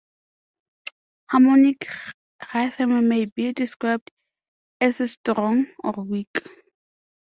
Harmonic rhythm may be described as strong or weak.